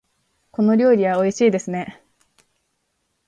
この料理はおいしいですね。